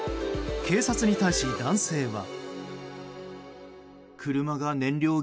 警察に対し男性は。